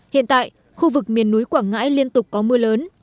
hiện tại khu vực miền núi quảng ngãi liên tục có mưa lớn